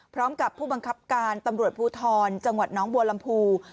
พร้อมกับผู้บังคับการตำรวจภูทรจังหวัดน้องบัวลำพู